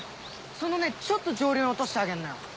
そのねちょっと上流に落としてあげるのよ。